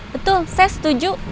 betul saya setuju